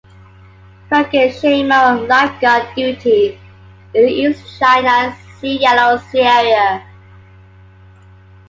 Frank N. Shamer on lifeguard duty in the East China Sea-Yellow Sea area.